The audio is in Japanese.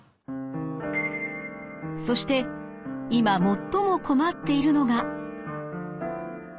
そして今最も困っているのが。